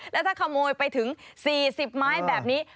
แล้วถ้าขโมยไปถึง๔๐ไม้แบบนี้